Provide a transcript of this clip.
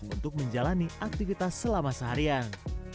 untuk menjalani aktivitas selama seharian